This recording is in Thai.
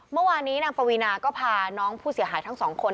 เมื่อวานนี้นางปวีนาก็พาน้องผู้เสียหายทั้งสองคน